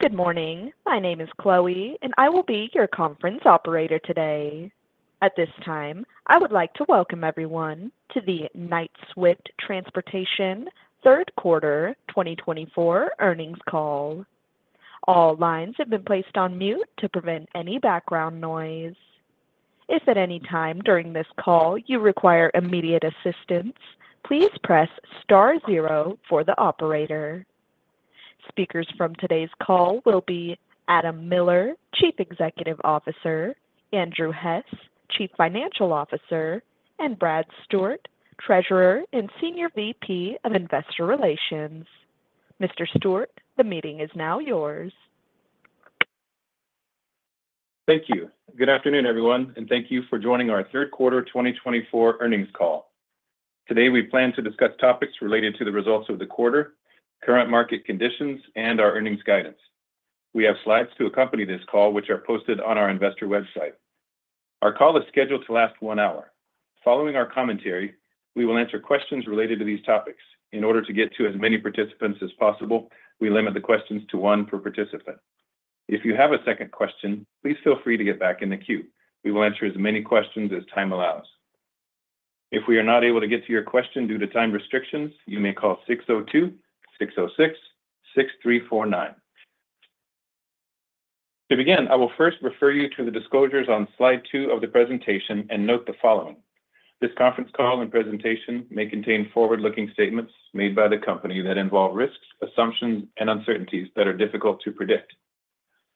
Good morning. My name is Chloe, and I will be your conference operator today. At this time, I would like to welcome everyone to the Knight-Swift Transportation Q3 2024 Earnings Call. All lines have been placed on mute to prevent any background noise. If at any time during this call you require immediate assistance, please press star zero for the operator. Speakers from today's call will be Adam Miller, Chief Executive Officer, Andrew Hess, Chief Financial Officer, and Brad Stuart, Treasurer and Senior VP of Investor Relations. Mr. Stuart, the meeting is now yours. Thank you. Good afternoon, everyone, and thank you for joining our Q3 2024 Earnings Call. Today, we plan to discuss topics related to the results of the quarter, current market conditions, and our earnings guidance. We have slides to accompany this call, which are posted on our investor website. Our call is scheduled to last one hour. Following our commentary, we will answer questions related to these topics. In order to get to as many participants as possible, we limit the questions to one per participant. If you have a second question, please feel free to get back in the queue. We will answer as many questions as time allows. If we are not able to get to your question due to time restrictions, you may call 602-606-6349. To begin, I will first refer you to the disclosures on slide two of the presentation and note the following: This conference call and presentation may contain forward-looking statements made by the company that involve risks, assumptions, and uncertainties that are difficult to predict.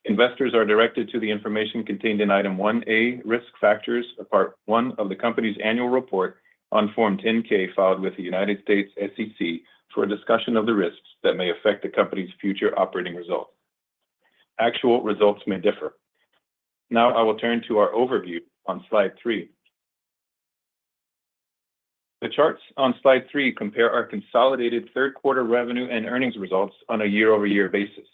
Investors are directed to the information contained in Item 1A, Risk Factors of Part I of the company's annual report on Form 10-K, filed with the U.S. SEC for a discussion of the risks that may affect the company's future operating results. Actual results may differ. Now, I will turn to our overview on slide three. The charts on slide three compare our consolidated Q3 revenue and earnings results on a year-over-year basis.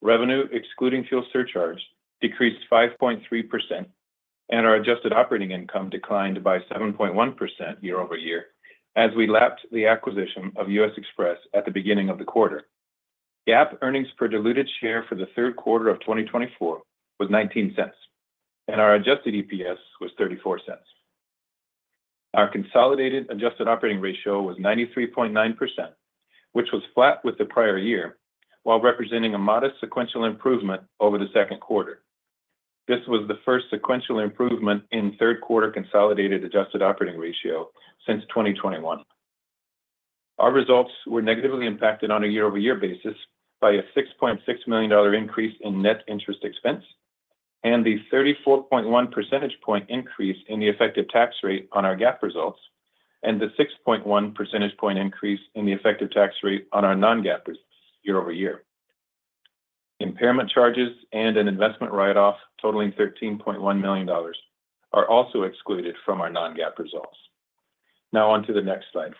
Revenue, excluding fuel surcharge, decreased 5.3%, and our adjusted operating income declined by 7.1% year-over-year as we lapped the acquisition of U.S. Xpress at the beginning of the quarter. GAAP earnings per diluted share for the Q3 of 2024 was $0.19, and our adjusted EPS was $0.34. Our consolidated adjusted operating ratio was 93.9%, which was flat with the prior year, while representing a modest sequential improvement over the Q2. This was the first sequential improvement in Q3 consolidated adjusted operating ratio since 2021. Our results were negatively impacted on a year-over-year basis by a $6.6 million increase in net interest expense and the 34.1 percentage point increase in the effective tax rate on our GAAP results, and the 6.1 percentage point increase in the effective tax rate on our non-GAAP results year-over-year. Impairment charges and an investment write-off totaling $13.1 million are also excluded from our non-GAAP results. Now, on to the next slide.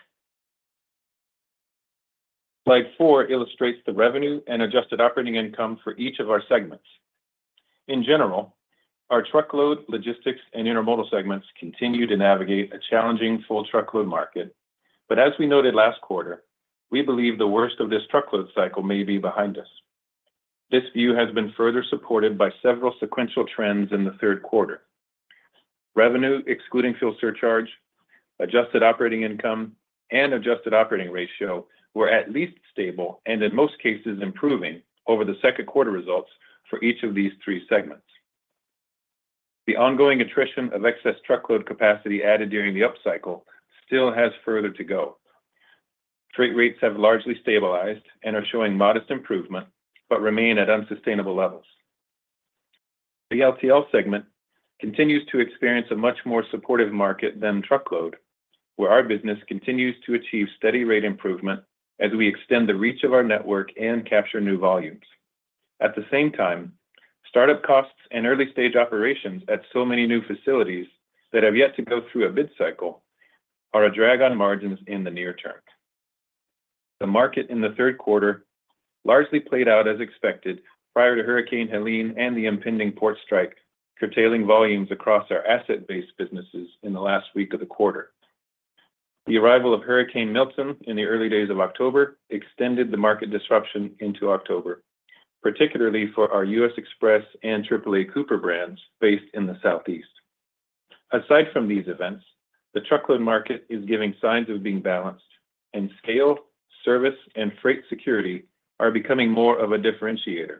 Slide 4 illustrates the revenue and adjusted operating income for each of our segments. In general, our truckload, logistics, and intermodal segments continue to navigate a challenging full truckload market. But as we noted last quarter, we believe the worst of this truckload cycle may be behind us. This view has been further supported by several sequential trends in the Q3. Revenue, excluding fuel surcharge, adjusted operating income, and adjusted operating ratio, were at least stable and in most cases improving over the Q2 results for each of these three segments. The ongoing attrition of excess truckload capacity added during the upcycle still has further to go. Freight rates have largely stabilized and are showing modest improvement, but remain at unsustainable levels. The LTL segment continues to experience a much more supportive market than truckload, where our business continues to achieve steady rate improvement as we extend the reach of our network and capture new volumes. At the same time, startup costs and early-stage operations at so many new facilities that have yet to go through a bid cycle are a drag on margins in the near term. The market in the Q3 largely played out as expected prior to Hurricane Helene and the impending port strike, curtailing volumes across our asset-based businesses in the last week of the quarter. The arrival of Hurricane Milton in the early days of October extended the market disruption into October, particularly for our U.S. Xpress and AAA Cooper brands based in the Southeast. Aside from these events, the truckload market is giving signs of being balanced, and scale, service, and freight security are becoming more of a differentiator.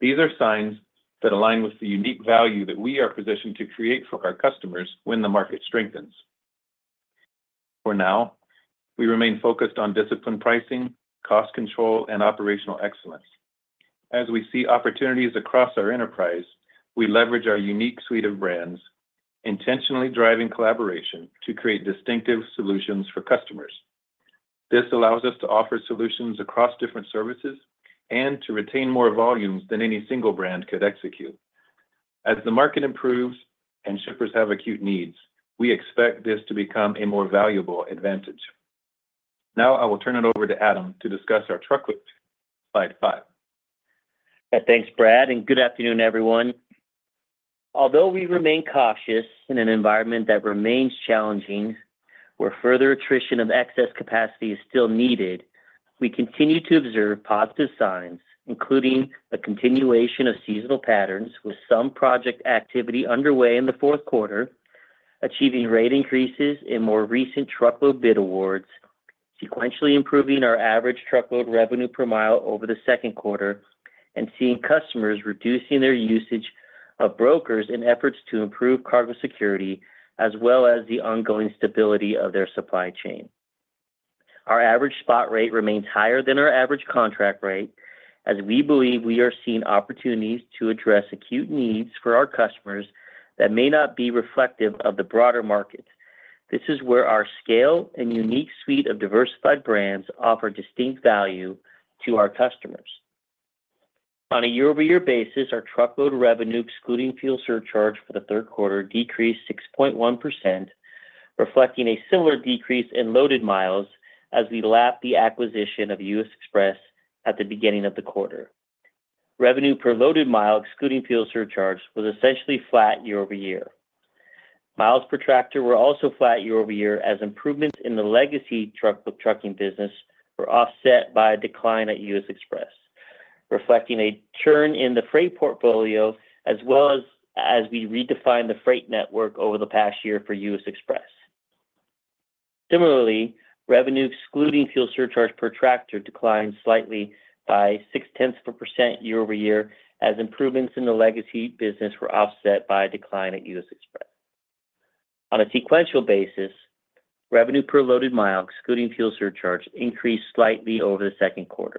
These are signs that align with the unique value that we are positioned to create for our customers when the market strengthens. For now, we remain focused on disciplined pricing, cost control, and operational excellence. As we see opportunities across our enterprise, we leverage our unique suite of brands, intentionally driving collaboration to create distinctive solutions for customers. This allows us to offer solutions across different services and to retain more volumes than any single brand could execute. As the market improves and shippers have acute needs, we expect this to become a more valuable advantage. Now, I will turn it over to Adam to discuss our truckload. Slide five. Thanks, Brad, and good afternoon, everyone.... Although we remain cautious in an environment that remains challenging, where further attrition of excess capacity is still needed, we continue to observe positive signs, including a continuation of seasonal patterns, with some project activity underway in the Q4, achieving rate increases in more recent truckload bid awards, sequentially improving our average truckload revenue per mile over the Q2, and seeing customers reducing their usage of brokers in efforts to improve cargo security, as well as the ongoing stability of their supply chain. Our average spot rate remains higher than our average contract rate, as we believe we are seeing opportunities to address acute needs for our customers that may not be reflective of the broader market. This is where our scale and unique suite of diversified brands offer distinct value to our customers. On a year-over-year basis, our truckload revenue, excluding fuel surcharge for the Q3, decreased 6.1%, reflecting a similar decrease in loaded miles as we lap the acquisition of U.S. Xpress at the beginning of the quarter. Revenue per loaded mile, excluding fuel surcharge, was essentially flat year-over-year. Miles per tractor were also flat year-over-year, as improvements in the legacy trucking business were offset by a decline at U.S. Xpress, reflecting a churn in the freight portfolio, as well as we redefined the freight network over the past year for U.S. Xpress. Similarly, revenue excluding fuel surcharge per tractor declined slightly by 0.6% year-over-year, as improvements in the legacy business were offset by a decline at U.S. Xpress. On a sequential basis, revenue per loaded mile, excluding fuel surcharge, increased slightly over the Q2.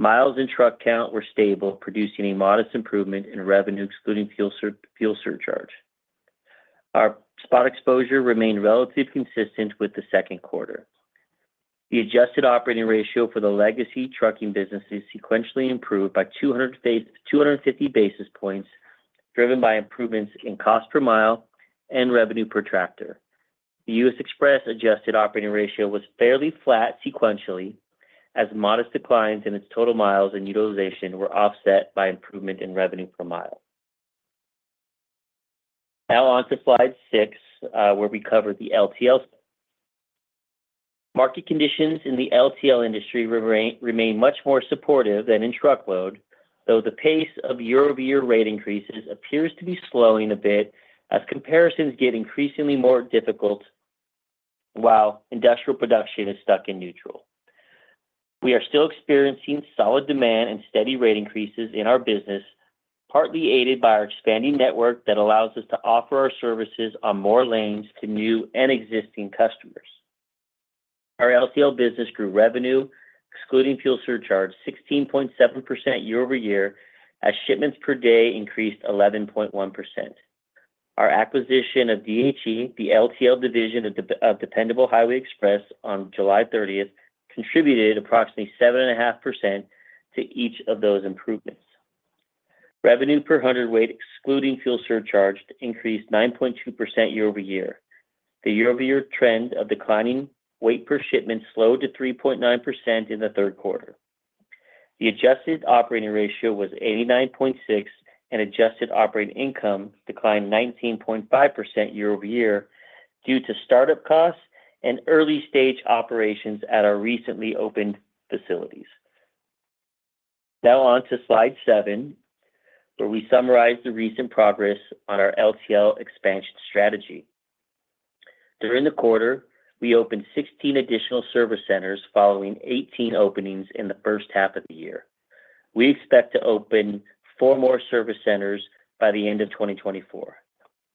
Miles and truck count were stable, producing a modest improvement in revenue, excluding fuel surcharge. Our spot exposure remained relatively consistent with the Q2. The adjusted operating ratio for the legacy trucking business is sequentially improved by two hundred and fifty basis points, driven by improvements in cost per mile and revenue per tractor. The U.S. Xpress adjusted operating ratio was fairly flat sequentially, as modest declines in its total miles and utilization were offset by improvement in revenue per mile. Now on to slide six, where we cover the LTL. Market conditions in the LTL industry remain much more supportive than in truckload, though the pace of year-over-year rate increases appears to be slowing a bit as comparisons get increasingly more difficult while industrial production is stuck in neutral. We are still experiencing solid demand and steady rate increases in our business, partly aided by our expanding network that allows us to offer our services on more lanes to new and existing customers. Our LTL business grew revenue, excluding fuel surcharge, 16.7% year-over-year, as shipments per day increased 11.1%. Our acquisition of DHE, the LTL division of Dependable Highway Express on July thirtieth, contributed approximately 7.5% to each of those improvements. Revenue per hundredweight, excluding fuel surcharge, increased 9.2% year-over-year. The year-over-year trend of declining weight per shipment slowed to 3.9% in the Q3. The adjusted operating ratio was 89.6, and adjusted operating income declined 19.5% year-over-year due to startup costs and early-stage operations at our recently opened facilities. Now on to slide seven, where we summarize the recent progress on our LTL expansion strategy. During the quarter, we opened 16 additional service centers, following 18 openings in the first half of the year. We expect to open four more service centers by the end of 2024.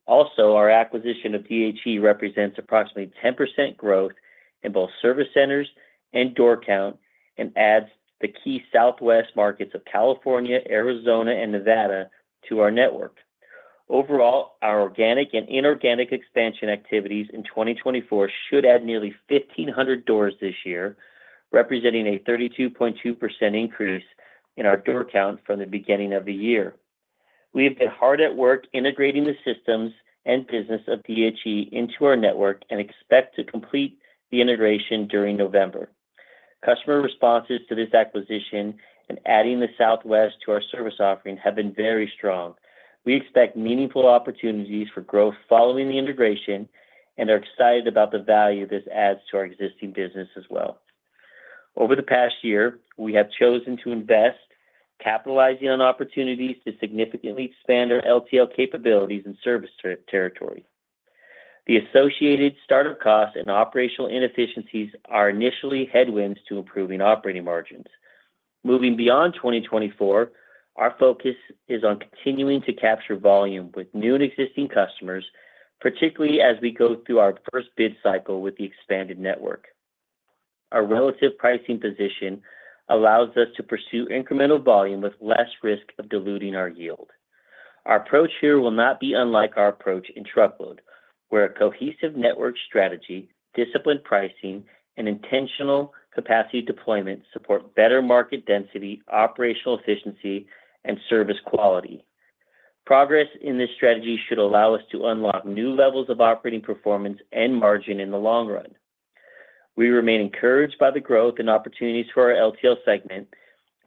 Also, our acquisition of DHE represents approximately 10% growth in both service centers and door count and adds the key Southwest markets of California, Arizona, and Nevada to our network. Overall, our organic and inorganic expansion activities in 2024 should add nearly 1,500 doors this year, representing a 32.2% increase in our door count from the beginning of the year. We have been hard at work integrating the systems and business of DHE into our network and expect to complete the integration during November. Customer responses to this acquisition and adding the Southwest to our service offering have been very strong. We expect meaningful opportunities for growth following the integration and are excited about the value this adds to our existing business as well. Over the past year, we have chosen to invest, capitalizing on opportunities to significantly expand our LTL capabilities and service territory. The associated startup costs and operational inefficiencies are initially headwinds to improving operating margins. Moving beyond 2024, our focus is on continuing to capture volume with new and existing customers, particularly as we go through our first bid cycle with the expanded network. Our relative pricing position allows us to pursue incremental volume with less risk of diluting our yield. Our approach here will not be unlike our approach in truckload, where a cohesive network strategy, disciplined pricing, and intentional capacity deployment support better market density, operational efficiency, and service quality. Progress in this strategy should allow us to unlock new levels of operating performance and margin in the long run... We remain encouraged by the growth and opportunities for our LTL segment,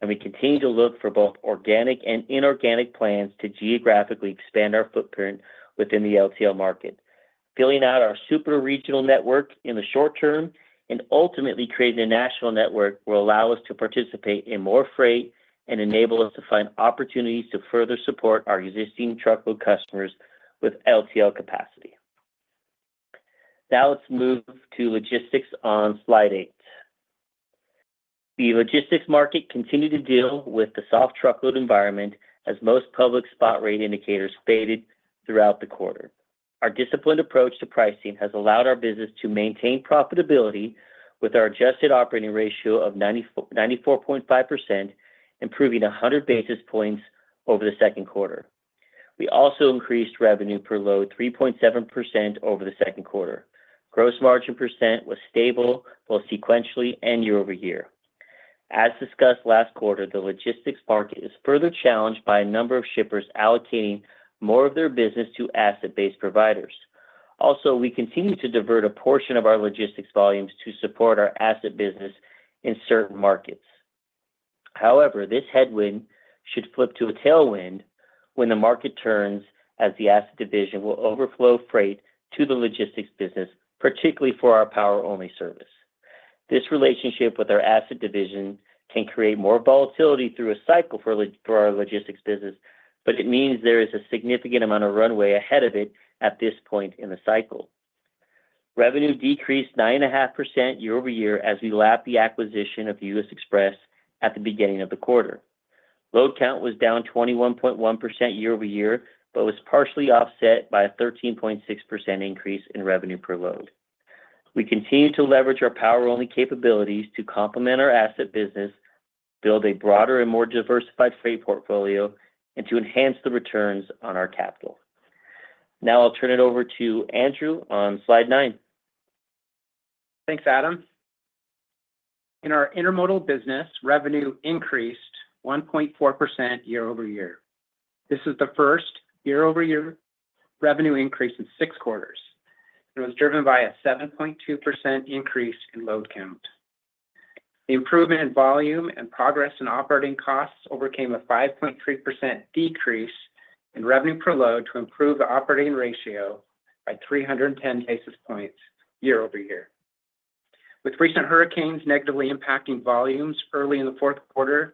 and we continue to look for both organic and inorganic plans to geographically expand our footprint within the LTL market. Filling out our super regional network in the short term and ultimately creating a national network will allow us to participate in more freight and enable us to find opportunities to further support our existing truckload customers with LTL capacity. Now, let's move to logistics on slide eight. The logistics market continued to deal with the soft truckload environment as most public spot rate indicators faded throughout the quarter. Our disciplined approach to pricing has allowed our business to maintain profitability with our adjusted operating ratio of 94.5%, improving 100 basis points over the Q2. We also increased revenue per load 3.7% over the Q2. Gross margin percent was stable, both sequentially and year-over-year. As discussed last quarter, the logistics market is further challenged by a number of shippers allocating more of their business to asset-based providers. Also, we continue to divert a portion of our logistics volumes to support our asset business in certain markets. However, this headwind should flip to a tailwind when the market turns, as the asset division will overflow freight to the logistics business, particularly for our power-only service. This relationship with our asset division can create more volatility through a cycle for our logistics business, but it means there is a significant amount of runway ahead of it at this point in the cycle. Revenue decreased 9.5% year-over-year as we lapped the acquisition of U.S. Xpress at the beginning of the quarter. Load count was down 21.1% year-over-year, but was partially offset by a 13.6% increase in revenue per load. We continue to leverage our power-only capabilities to complement our asset business, build a broader and more diversified freight portfolio, and to enhance the returns on our capital. Now, I'll turn it over to Andrew on slide nine. Thanks, Adam. In our intermodal business, revenue increased 1.4% year-over-year. This is the first year-over-year revenue increase in six quarters. It was driven by a 7.2% increase in load count. The improvement in volume and progress in operating costs overcame a 5.3% decrease in revenue per load to improve the operating ratio by three hundred and ten basis points year-over-year. With recent hurricanes negatively impacting volumes early in the Q4,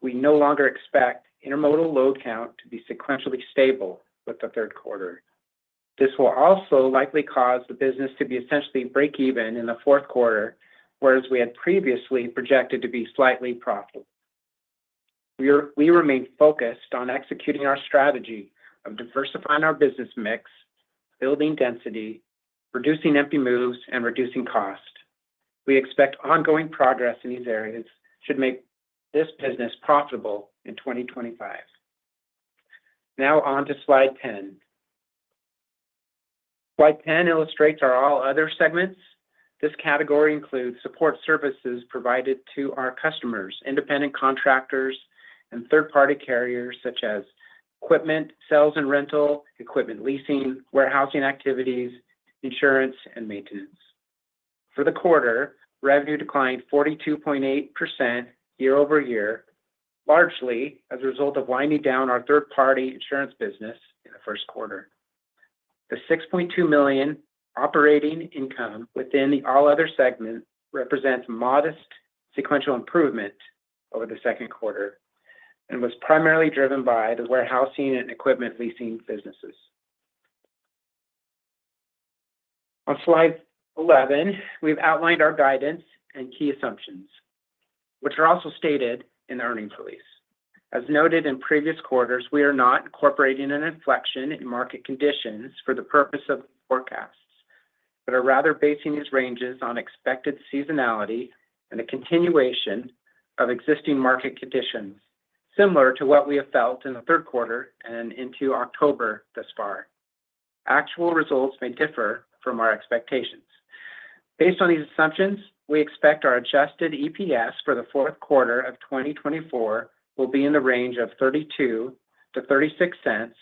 we no longer expect intermodal load count to be sequentially stable with the Q3. This will also likely cause the business to be essentially break even in the Q4, whereas we had previously projected to be slightly profitable. We remain focused on executing our strategy of diversifying our business mix, building density, reducing empty moves, and reducing cost. We expect ongoing progress in these areas should make this business profitable in 2025. Now, on to slide 10. Slide 10 illustrates our all other segments. This category includes support services provided to our customers, independent contractors, and third-party carriers, such as equipment, sales and rental, equipment leasing, warehousing activities, insurance, and maintenance. For the quarter, revenue declined 42.8% year-over-year, largely as a result of winding down our third-party insurance business in the Q1. The $6.2 million operating income within the all other segment represents modest sequential improvement over the Q2 and was primarily driven by the warehousing and equipment leasing businesses. On slide 11, we've outlined our guidance and key assumptions, which are also stated in the earnings release. As noted in previous quarters, we are not incorporating an inflection in market conditions for the purpose of forecasts, but are rather basing these ranges on expected seasonality and a continuation of existing market conditions, similar to what we have felt in the Q3 and into October thus far. Actual results may differ from our expectations. Based on these assumptions, we expect our Adjusted EPS for the Q4 of 2024 will be in the range of $0.32-$0.36,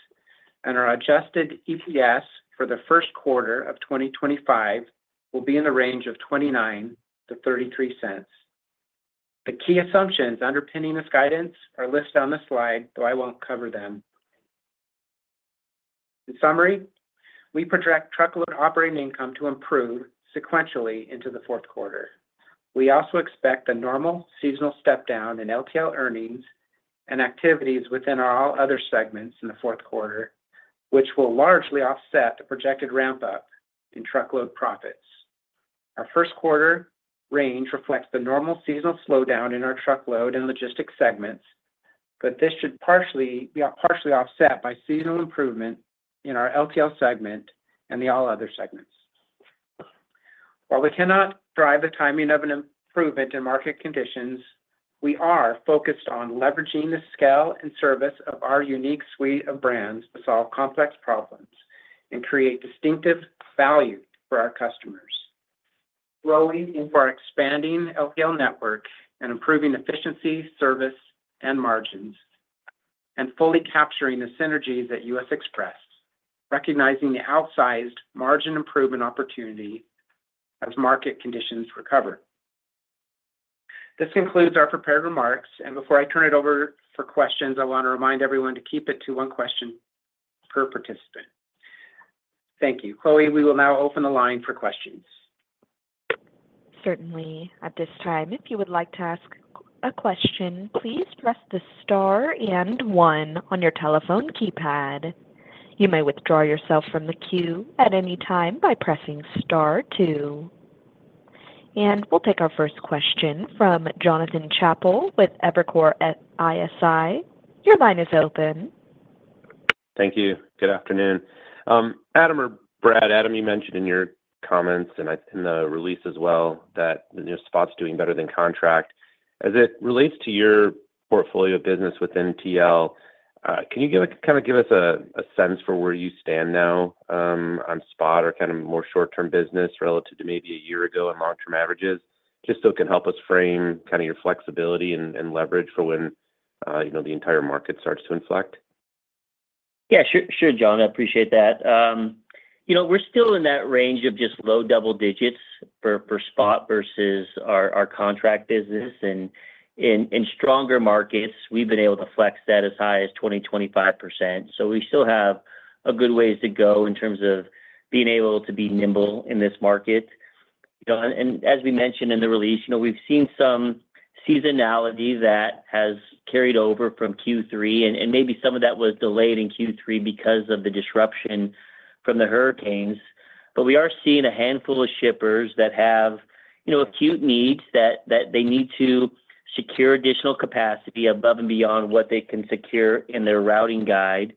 and our Adjusted EPS for the Q1 of 2025 will be in the range of $0.29-$0.33. The key assumptions underpinning this guidance are listed on this slide, so I won't cover them. In summary, we project Truckload operating income to improve sequentially into the Q4. We also expect a normal seasonal step down in LTL earnings and activities within our all other segments in the Q4, which will largely offset the projected ramp-up in truckload profits. Our Q1 range reflects the normal seasonal slowdown in our truckload and logistics segments, but this should partially offset by seasonal improvement in our LTL segment and the all other segments. While we cannot drive the timing of an improvement in market conditions, we are focused on leveraging the scale and service of our unique suite of brands to solve complex problems and create distinctive value for our customers, growing into our expanding LTL network and improving efficiency, service, and margins.... and fully capturing the synergies at U.S. Xpress, recognizing the outsized margin improvement opportunity as market conditions recover. This concludes our prepared remarks, and before I turn it over for questions, I want to remind everyone to keep it to one question per participant. Thank you. Chloe, we will now open the line for questions. Certainly. At this time, if you would like to ask a question, please press the star and one on your telephone keypad. You may withdraw yourself from the queue at any time by pressing star two. And we'll take our first question from Jonathan Chappell with Evercore ISI. Your line is open. Thank you. Good afternoon. Adam or Brad, Adam, you mentioned in your comments, and I, in the release as well, that the new spot's doing better than contract. As it relates to your portfolio of business within TL, can you kind of give us a sense for where you stand now, on spot or kind of more short-term business relative to maybe a year ago and long-term averages? Just so it can help us frame kind of your flexibility and leverage for when, you know, the entire market starts to inflect. Yeah, sure, sure, John. I appreciate that. You know, we're still in that range of just low double digits for per spot versus our contract business. And in stronger markets, we've been able to flex that as high as 20-25%. So we still have a good ways to go in terms of being able to be nimble in this market. John, and as we mentioned in the release, you know, we've seen some seasonality that has carried over from Q3, and maybe some of that was delayed in Q3 because of the disruption from the hurricanes. But we are seeing a handful of shippers that have, you know, acute needs that they need to secure additional capacity above and beyond what they can secure in their routing guide.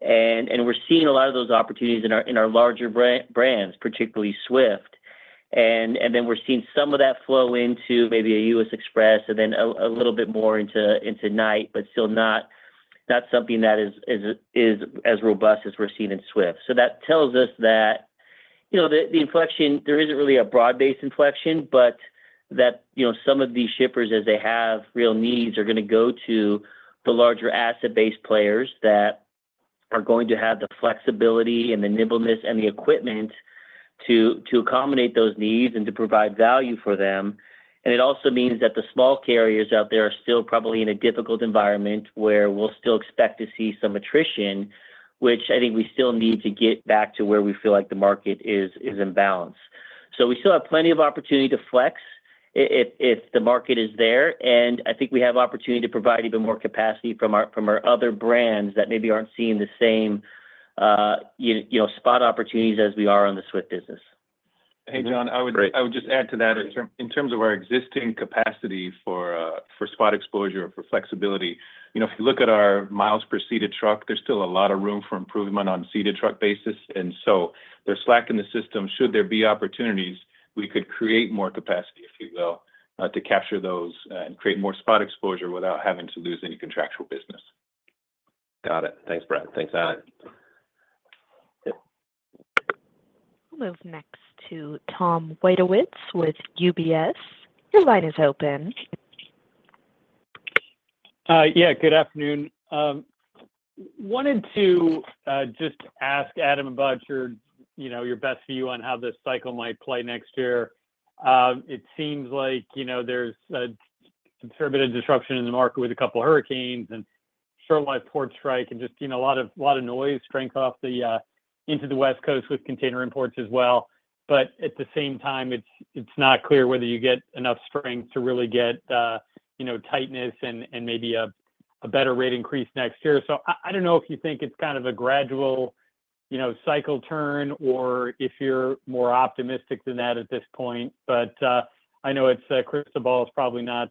And we're seeing a lot of those opportunities in our larger brands, particularly Swift. And then we're seeing some of that flow into maybe a U.S. Xpress, and then a little bit more into Knight, but still not something that is as robust as we're seeing in Swift. So that tells us that, you know, the inflection, there isn't really a broad-based inflection, but that, you know, some of these shippers, as they have real needs, are going to go to the larger asset-based players that are going to have the flexibility and the nimbleness and the equipment to accommodate those needs and to provide value for them. And it also means that the small carriers out there are still probably in a difficult environment, where we'll still expect to see some attrition, which I think we still need to get back to where we feel like the market is in balance. So we still have plenty of opportunity to flex if the market is there, and I think we have opportunity to provide even more capacity from our other brands that maybe aren't seeing the same, you know, spot opportunities as we are on the Swift business. Hey, John, I would- Great. I would just add to that, in terms of our existing capacity for spot exposure, for flexibility, you know, if you look at our miles per seated truck, there's still a lot of room for improvement on seated truck basis, and so there's slack in the system. Should there be opportunities, we could create more capacity, if you will, to capture those, and create more spot exposure without having to lose any contractual business. Got it. Thanks, Brad. Thanks, Adam. Yep. We'll move next to Tom Wadewitz with UBS. Your line is open. Yeah, good afternoon. Wanted to just ask Adam about your, you know, your best view on how this cycle might play next year. It seems like, you know, there's a fair bit of disruption in the market with a couple of hurricanes and East Coast port strike, and just, you know, a lot of noise drawn off to the West Coast with container imports as well. But at the same time, it's not clear whether you get enough strength to really get, you know, tightness and maybe a better rate increase next year. So I don't know if you think it's kind of a gradual, you know, cycle turn or if you're more optimistic than that at this point. But I know it's, crystal ball is probably not...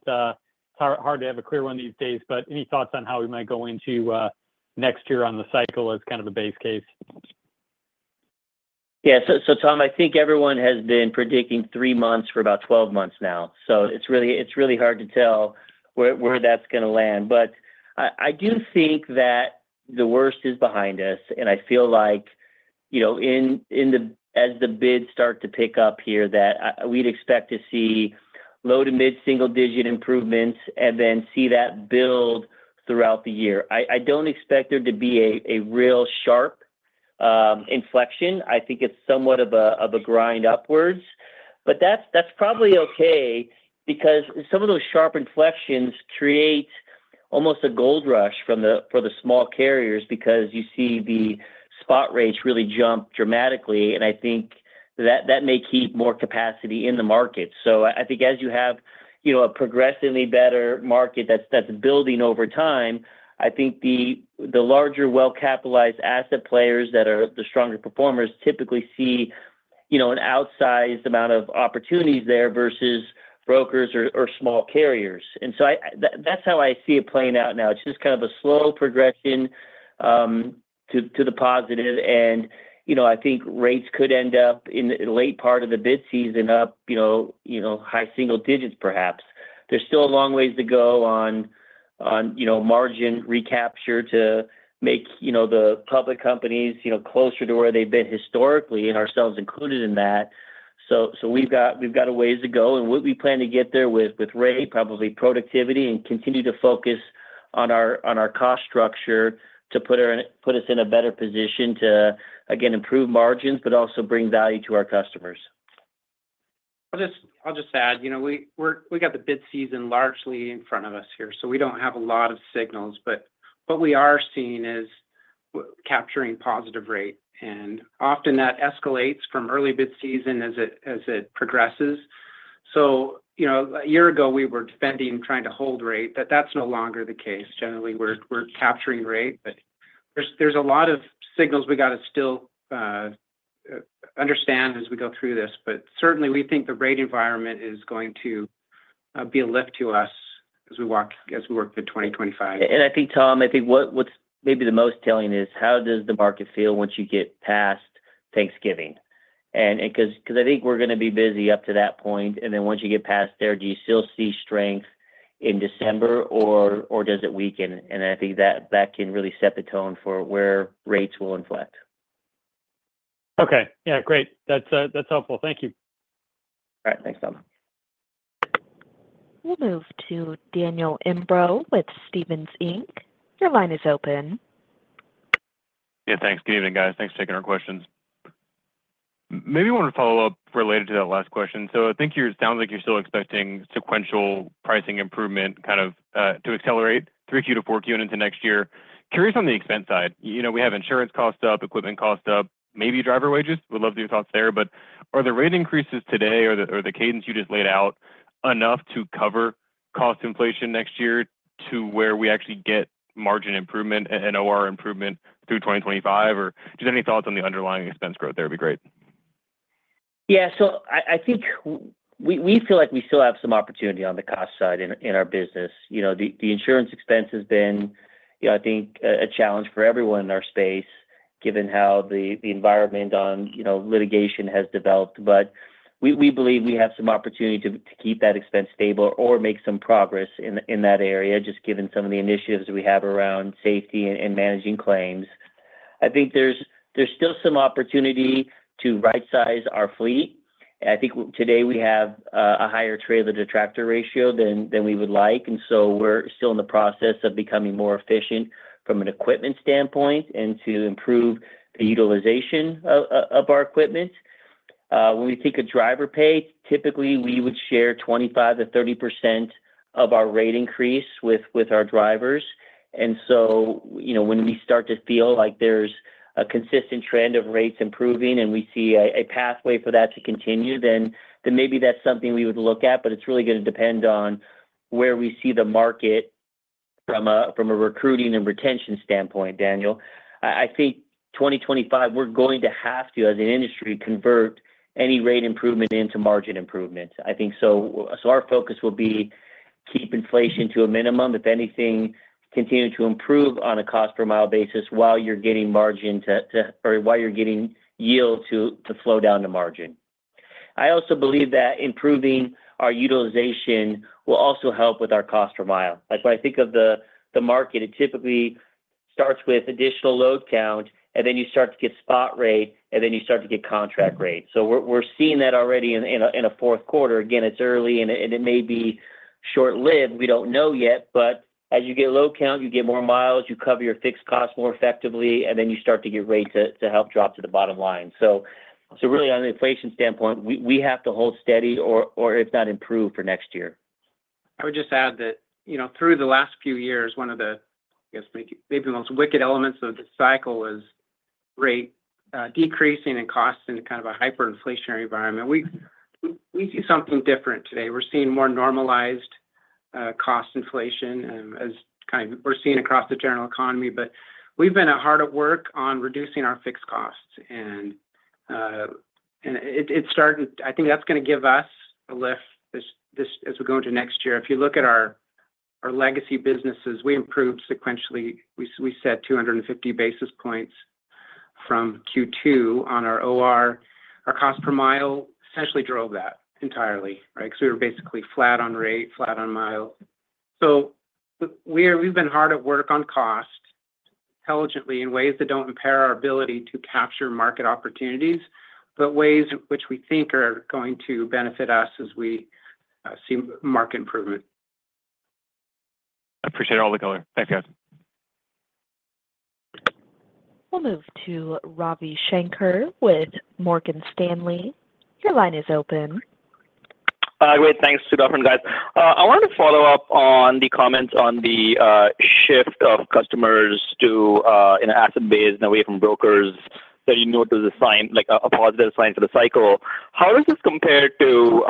Hard, hard to have a clear one these days, but any thoughts on how we might go into next year on the cycle as kind of a base case? Yeah. So, Tom, I think everyone has been predicting 3 months for about 12 months now, so it's really hard to tell where that's going to land. But I do think that the worst is behind us, and I feel like, you know, in the as the bids start to pick up here, that we'd expect to see low to mid-single digit improvements and then see that build throughout the year. I don't expect there to be a real sharp inflection. I think it's somewhat of a grind upwards, but that's probably okay because some of those sharp inflections create almost a gold rush for the small carriers because you see the spot rates really jump dramatically, and I think that may keep more capacity in the market. So I think as you have, you know, a progressively better market that's building over time, I think the larger, well-capitalized asset players that are the stronger performers typically see, you know, an outsized amount of opportunities there versus brokers or small carriers. That's how I see it playing out now. It's just kind of a slow progression to the positive, and, you know, I think rates could end up in the late part of the bid season up, you know, high single digits, perhaps. There's still a long ways to go on, you know, margin recapture to make, you know, the public companies, you know, closer to where they've been historically, and ourselves included in that. So we've got a ways to go, and what we plan to get there with rate, probably productivity, and continue to focus on our cost structure to put us in a better position to, again, improve margins, but also bring value to our customers. I'll just, I'll just add, you know, we got the bid season largely in front of us here, so we don't have a lot of signals. But what we are seeing is capturing positive rate, and often that escalates from early bid season as it, as it progresses. So, you know, a year ago we were defending, trying to hold rate, but that's no longer the case. Generally, we're, we're capturing rate, but there's, there's a lot of signals we got to still understand as we go through this. But certainly, we think the rate environment is going to be a lift to us as we work through 2025. I think, Tom, what's maybe the most telling is, how does the market feel once you get past Thanksgiving? 'Cause I think we're going to be busy up to that point, and then once you get past there, do you still see strength in December or does it weaken? I think that can really set the tone for where rates will inflect. Okay. Yeah, great. That's helpful. Thank you. All right. Thanks, Tom. We'll move to Daniel Imbro with Stephens Inc. Your line is open. Yeah, thanks. Good evening, guys. Thanks for taking our questions. Maybe I want to follow up related to that last question. So I think sounds like you're still expecting sequential pricing improvement, kind of, to accelerate Q3 to Q4 and into next year. Curious on the expense side. You know, we have insurance costs up, equipment costs up, maybe driver wages. Would love your thoughts there. But are the rate increases today or the cadence you just laid out enough to cover cost inflation next year to where we actually get margin improvement and OR improvement through 2025? Or just any thoughts on the underlying expense growth there would be great. Yeah. So I think we feel like we still have some opportunity on the cost side in our business. You know, the insurance expense has been, you know, I think a challenge for everyone in our space, given how the environment on, you know, litigation has developed. But we believe we have some opportunity to keep that expense stable or make some progress in that area, just given some of the initiatives we have around safety and managing claims. I think there's still some opportunity to right size our fleet. I think today we have a higher trailer-to-tractor ratio than we would like, and so we're still in the process of becoming more efficient from an equipment standpoint and to improve the utilization of our equipment. When we think of driver pay, typically, we would share 25% to 30% of our rate increase with our drivers. And so, you know, when we start to feel like there's a consistent trend of rates improving and we see a pathway for that to continue, then maybe that's something we would look at. But it's really going to depend on where we see the market from a recruiting and retention standpoint, Daniel. I think 2025, we're going to have to, as an industry, convert any rate improvement into margin improvement. I think so our focus will be keep inflation to a minimum, if anything, continue to improve on a cost per mile basis while you're getting margin to, or while you're getting yield to flow down to margin. I also believe that improving our utilization will also help with our cost per mile. That's why I think of the market, it typically starts with additional load count, and then you start to get spot rate, and then you start to get contract rate. So we're seeing that already in a Q4. Again, it's early and it may be short-lived. We don't know yet, but as you get load count, you get more miles, you cover your fixed costs more effectively, and then you start to get rates to help drop to the bottom line. So really, on an inflation standpoint, we have to hold steady or if not improve for next year. I would just add that, you know, through the last few years, one of the, I guess, maybe the most wicked elements of this cycle is rate decreasing and costs in kind of a hyperinflationary environment. We see something different today. We're seeing more normalized cost inflation, as kind of we're seeing across the general economy, but we've been hard at work on reducing our fixed costs, and it, it's starting. I think that's going to give us a lift this as we go into next year. If you look at our legacy businesses, we improved sequentially. We said two hundred and fifty basis points from Q2 on our OR. Our cost per mile essentially drove that entirely, right? Because we were basically flat on rate, flat on mile. So we've been hard at work on cost, intelligently, in ways that don't impair our ability to capture market opportunities, but ways which we think are going to benefit us as we see market improvement. I appreciate all the color. Thanks, guys. We'll move to Ravi Shanker with Morgan Stanley. Your line is open. Hi. Great. Thanks to government guys. I wanted to follow up on the comments on the shift of customers to an asset base and away from brokers, that you know, it was a sign, like a positive sign for the cycle. How does this compare to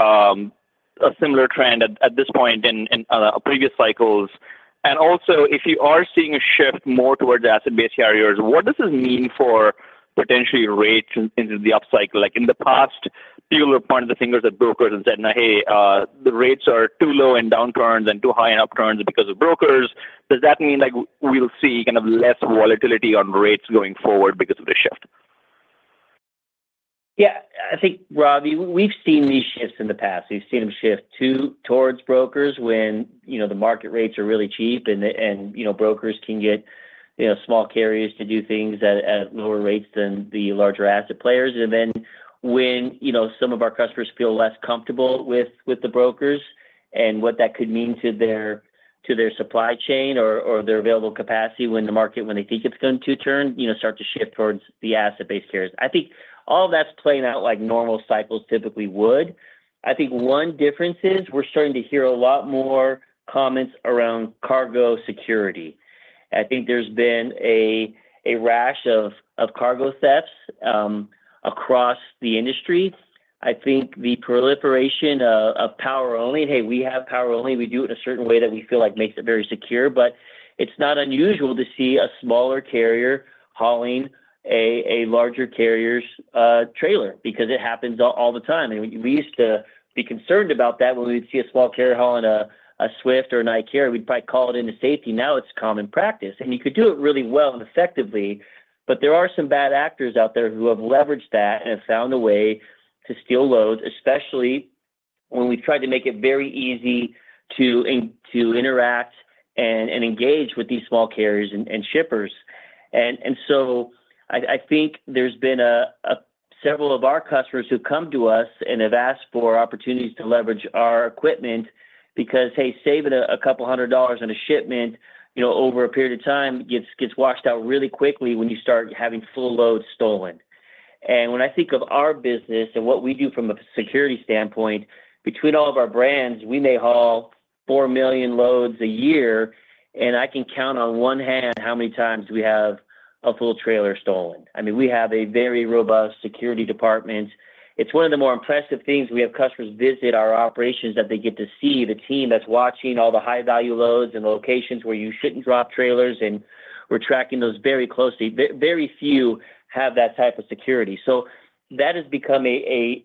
a similar trend at this point in previous cycles? And also, if you are seeing a shift more towards asset-based carriers, what does this mean for potentially rates into the upcycle? Like in the past, people were pointing the fingers at brokers and said, "Hey, the rates are too low in downturns and too high in upturns because of brokers." Does that mean, like, we'll see kind of less volatility on rates going forward because of the shift? Yeah. I think, Ravi, we've seen these shifts in the past. We've seen them shift to towards brokers when, you know, the market rates are really cheap and, you know, brokers can get small carriers to do things at lower rates than the larger asset players. And then when, you know, some of our customers feel less comfortable with the brokers and what that could mean to their supply chain or their available capacity when the market, when they think it's going to turn, you know, start to shift towards the asset-based carriers. I think all that's playing out like normal cycles typically would. I think one difference is, we're starting to hear a lot more comments around cargo security. I think there's been a rash of cargo thefts across the industry. I think the proliferation of power only, and hey, we have power only, we do it in a certain way that we feel like makes it very secure, but it's not unusual to see a smaller carrier hauling a larger carrier's trailer, because it happens all the time. And we used to be concerned about that when we'd see a small carrier hauling a Swift or a Knight, we'd probably call it into safety. Now, it's common practice, and you could do it really well and effectively, but there are some bad actors out there who have leveraged that and have found a way to steal loads, especially when we've tried to make it very easy to interact and engage with these small carriers and shippers. And so I think there's been several of our customers who've come to us and have asked for opportunities to leverage our equipment because, hey, saving a couple hundred dollars on a shipment, you know, over a period of time, gets washed out really quickly when you start having full loads stolen. And when I think of our business and what we do from a security standpoint, between all of our brands, we may haul four million loads a year, and I can count on one hand how many times we have a full trailer stolen. I mean, we have a very robust security department. It's one of the more impressive things. We have customers visit our operations, that they get to see the team that's watching all the high-value loads and locations where you shouldn't drop trailers, and we're tracking those very closely. Very few have that type of security. So that has become a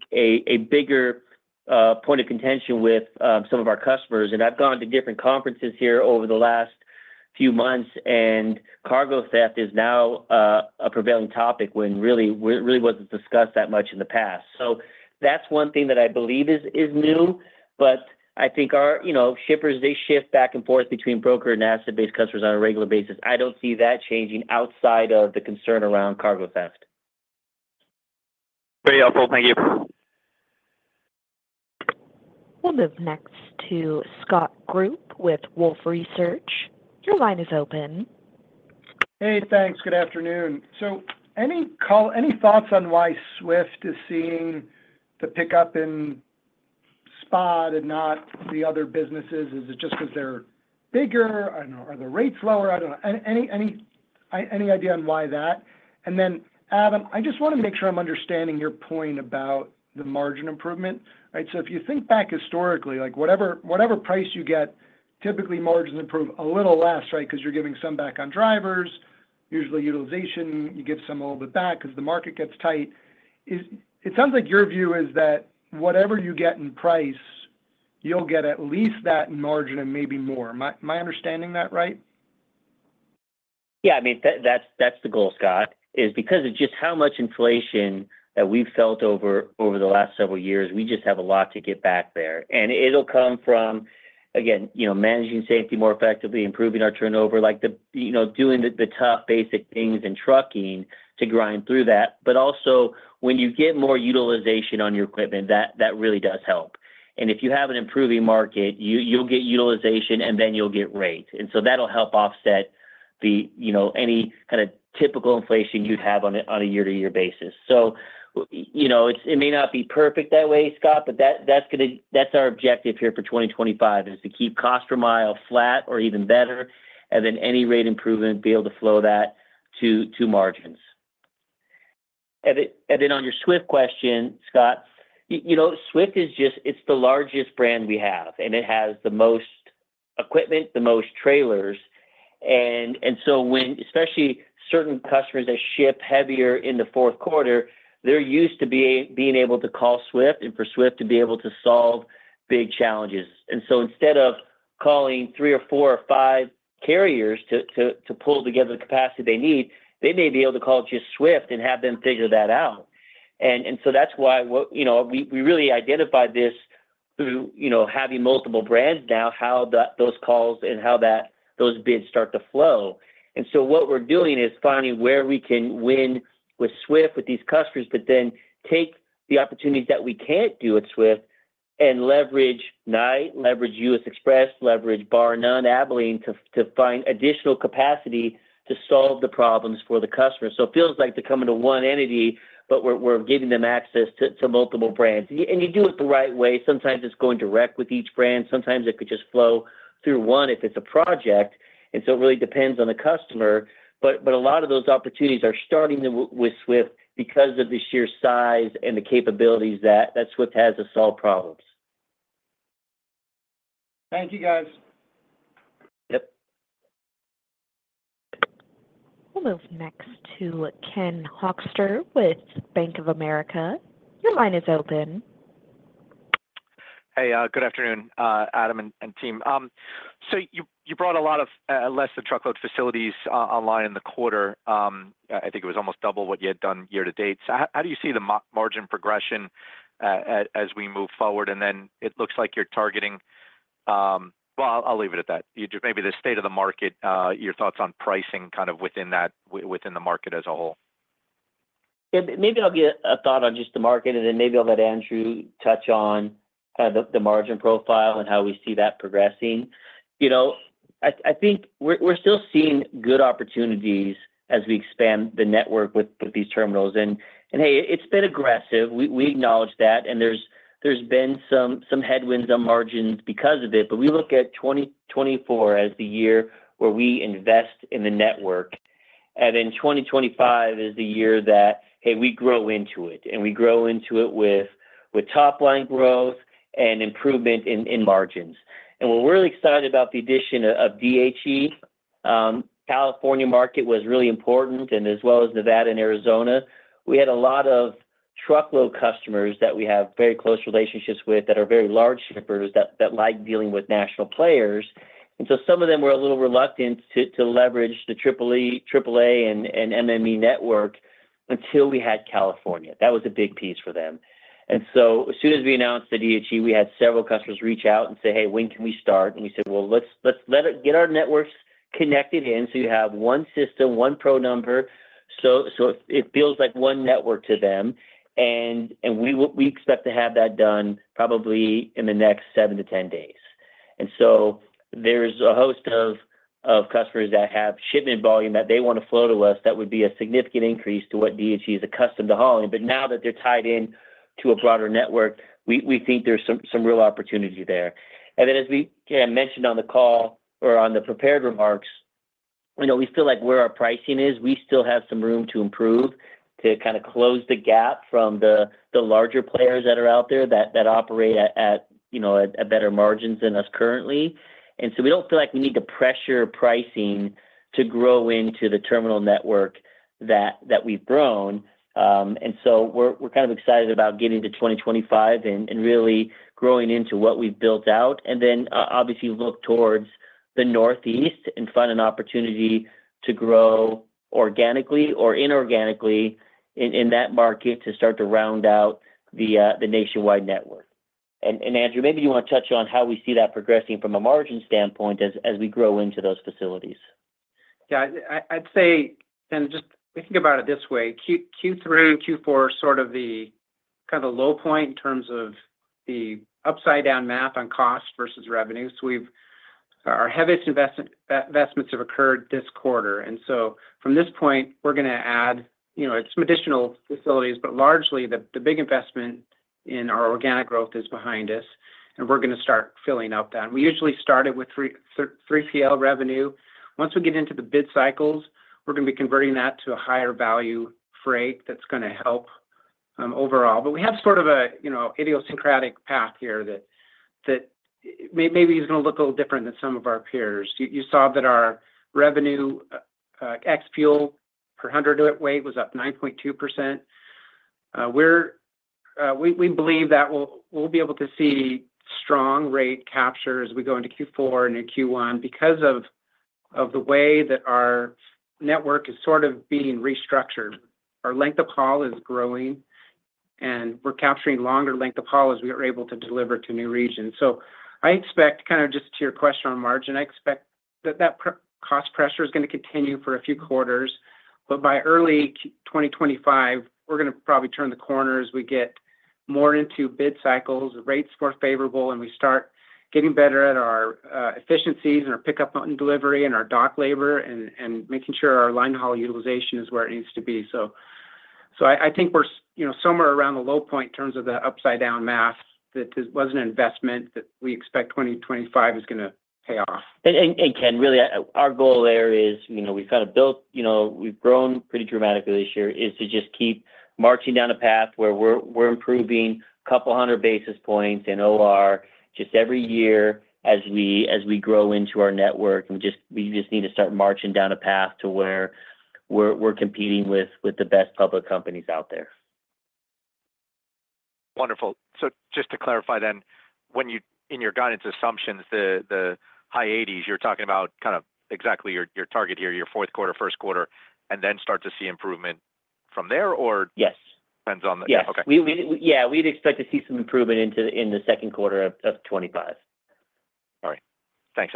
bigger point of contention with some of our customers. And I've gone to different conferences here over the last few months, and cargo theft is now a prevailing topic, when really, it really wasn't discussed that much in the past. So that's one thing that I believe is new, but I think our, you know, shippers, they shift back and forth between broker and asset-based customers on a regular basis. I don't see that changing outside of the concern around cargo theft. Very helpful. Thank you. We'll move next to Scott Group with Wolfe Research. Your line is open. Hey, thanks. Good afternoon. Any thoughts on why Swift is seeing the pickup in spot and not the other businesses? Is it just 'cause they're bigger? I don't know. Are the rates lower? I don't know. Any idea on why that? And then, Adam, I just want to make sure I'm understanding your point about the margin improvement, right? So if you think back historically, like, whatever price you get, typically margins improve a little less, right? 'Cause you're giving some back on drivers, usually utilization, you give some a little bit back 'cause the market gets tight. It sounds like your view is that whatever you get in price, you'll get at least that in margin and maybe more. Am I understanding that right? Yeah, I mean, that's the goal, Scott, because of just how much inflation that we've felt over the last several years. We just have a lot to get back there. And it'll come from, again, you know, managing safety more effectively, improving our turnover, like, you know, doing the tough, basic things in trucking to grind through that. But also, when you get more utilization on your equipment, that really does help. And if you have an improving market, you'll get utilization, and then you'll get rates. And so that'll help offset the, you know, any kind of typical inflation you'd have on a year-to-year basis. You know, it may not be perfect that way, Scott, but that's our objective here for 2025, is to keep cost per mile flat or even better, and then any rate improvement, be able to flow that to margins. And then on your Swift question, Scott, you know, Swift is just, it's the largest brand we have, and it has the most equipment, the most trailers. And so when, especially certain customers that ship heavier in the Q4, they're used to being able to call Swift and for Swift to be able to solve big challenges. And so instead of calling three or four or five carriers to pull together the capacity they need, they may be able to call just Swift and have them figure that out. And so that's why, you know, we really identify this through, you know, having multiple brands now, how those calls and how those bids start to flow. And so what we're doing is finding where we can win with Swift with these customers, but then take the opportunities that we can't do with Swift and leverage Knight, leverage U.S. Xpress, leverage Barr-Nunn, Abilene, to find additional capacity to solve the problems for the customer. So it feels like they're coming to one entity, but we're giving them access to multiple brands. And you do it the right way. Sometimes it's going direct with each brand, sometimes it could just flow through one if it's a project, and so it really depends on the customer. But a lot of those opportunities are starting to work with Swift because of the sheer size and the capabilities that Swift has to solve problems. Thank you, guys. Yep. We'll move next to Ken Hoexter with Bank of America. Your line is open. Hey, good afternoon, Adam and team. So you brought a lot of less-than-truckload facilities online in the quarter. I think it was almost double what you had done year to date. So how do you see the margin progression as we move forward? And then it looks like you're targeting... Well, I'll leave it at that. You just, maybe the state of the market, your thoughts on pricing kind of within that, within the market as a whole. Yeah, maybe I'll give a thought on just the market, and then maybe I'll let Andrew touch on kind of the margin profile and how we see that progressing. You know, I think we're still seeing good opportunities as we expand the network with these terminals. And hey, it's been aggressive. We acknowledge that, and there's been some headwinds on margins because of it. But we look at 2024 as the year where we invest in the network, and then 2025 is the year that hey, we grow into it, and we grow into it with top line growth and improvement in margins. And we're really excited about the addition of DHE. California market was really important, and as well as Nevada and Arizona. We had a lot of truckload customers that we have very close relationships with, that are very large shippers, that like dealing with national players. And so some of them were a little reluctant to leverage the AAA and MME network until we had California. That was a big piece for them. And so, as soon as we announced the DHE, we had several customers reach out and say, "Hey, when can we start?" And we said, "Well, let's let it get our networks connected in so you have one system, one pro number," so it feels like one network to them. And we expect to have that done probably in the next seven to 10 days. And so there's a host of customers that have shipment volume that they want to flow to us that would be a significant increase to what DHE is accustomed to hauling. But now that they're tied in to a broader network, we think there's some real opportunity there. And then, as we again mentioned on the call or on the prepared remarks, you know, we feel like where our pricing is, we still have some room to improve, to kind of close the gap from the larger players that are out there, that operate at better margins than us currently. And so we don't feel like we need to pressure pricing to grow into the terminal network that we've grown. And so we're kind of excited about getting to 2025 and really growing into what we've built out, and then obviously look towards the Northeast and find an opportunity to grow organically or inorganically in that market to start to round out the nationwide network. And, Andrew, maybe you want to touch on how we see that progressing from a margin standpoint as we grow into those facilities. Yeah. I'd say, and just thinking about it this way, Q3 and Q4 are sort of the kind of low point in terms of the upside down math on cost versus revenue. So we've our heaviest investments have occurred this quarter, and so from this point, we're going to add, you know, some additional facilities. But largely, the big investment in our organic growth is behind us, and we're going to start filling up then. We usually started with 3PL revenue. Once we get into the bid cycles, we're going to be converting that to a higher value freight. That's going to help overall. But we have sort of a, you know, idiosyncratic path here that maybe is going to look a little different than some of our peers. You saw that our revenue ex fuel per hundredweight was up 9.2%. We believe that we'll be able to see strong rate capture as we go into Q4 and in Q1 because of the way that our network is sort of being restructured. Our length of haul is growing, and we're capturing longer length of haul as we are able to deliver to new regions. So I expect, kind of just to your question on margin, I expect that cost pressure is going to continue for a few quarters, but by early 2025, we're going to probably turn the corner as we get more into bid cycles, rates more favorable, and we start getting better at our efficiencies and our pickup and delivery, and our dock labor, and making sure our line haul utilization is where it needs to be. You know, I think we're somewhere around the low point in terms of the upside down math. That was an investment that we expect 2025 is going to pay off. Ken, really, our goal there is, you know, we've grown pretty dramatically this year, to just keep marching down a path where we're improving a couple hundred basis points in OR just every year as we grow into our network. And we just need to start marching down a path to where we're competing with the best public companies out there. Wonderful. So just to clarify then, when in your guidance assumptions, the high eighties, you're talking about kind of exactly your target year, your Q4, Q1, and then start to see improvement from there, or? Yes. Depends on the- Yes. Okay. Yeah, we'd expect to see some improvement in the Q2 of 2025. All right. Thanks,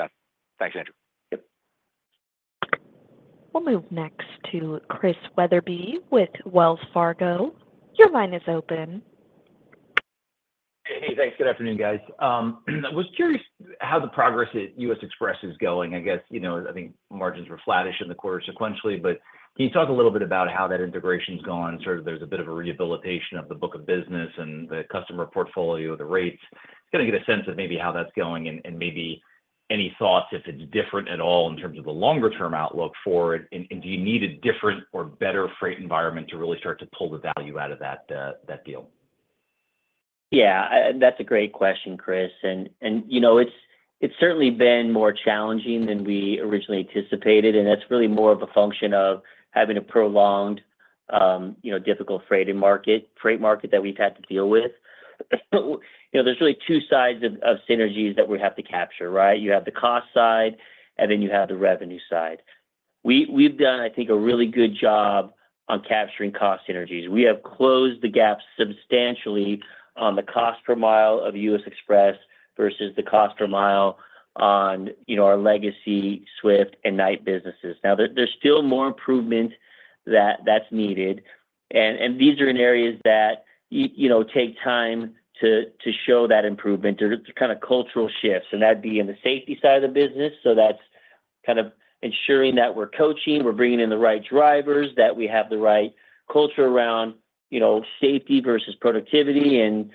Andrew. Yep. We'll move next to Chris Wetherbee with Wells Fargo. Your line is open. Hey, thanks. Good afternoon, guys. I was curious how the progress at U.S. Xpress is going. I guess, you know, I think margins were flattish in the quarter sequentially, but can you talk a little bit about how that integration is going? Sort of there's a bit of a rehabilitation of the book of business and the customer portfolio, the rates. Just gotta get a sense of maybe how that's going and, and maybe any thoughts, if it's different at all, in terms of the longer term outlook for it. And, and do you need a different or better freight environment to really start to pull the value out of that, that deal? Yeah, that's a great question, Chris. And, you know, it's certainly been more challenging than we originally anticipated, and that's really more of a function of having a prolonged, you know, difficult freighting market, freight market that we've had to deal with. You know, there's really two sides of synergies that we have to capture, right? You have the cost side, and then you have the revenue side. We've done, I think, a really good job on capturing cost synergies. We have closed the gap substantially on the cost per mile of U.S. Xpress versus the cost per mile on, you know, our legacy Swift and Knight businesses. Now, there's still more improvement that's needed, and these are in areas that you know, take time to show that improvement. They're just kind of cultural shifts, and that'd be in the safety side of the business, so that's kind of ensuring that we're coaching, we're bringing in the right drivers, that we have the right culture around, you know, safety versus productivity, and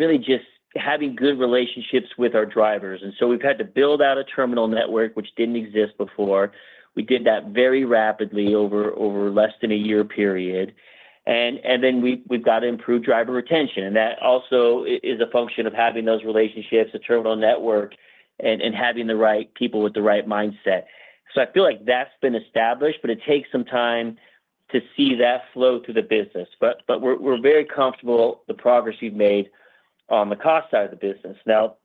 really just having good relationships with our drivers, and so we've had to build out a terminal network, which didn't exist before. We did that very rapidly over less than a year period, and then we've got to improve driver retention, and that also is a function of having those relationships, the terminal network, and having the right people with the right mindset, so I feel like that's been established, but it takes some time to see that flow through the business, but we're very comfortable with the progress we've made on the cost side of the business. Now,